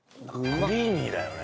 クリーミーだよね。